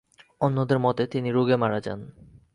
অন্যদের মতে তিনি রোগে মারা যান।